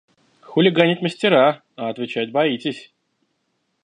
– Хулиганить мастера, а отвечать боитесь!